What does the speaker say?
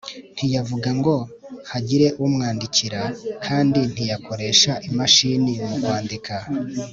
ntiyavuga ngo hagire umwandikira, kandi ntiyakoresha imashini mu kwandika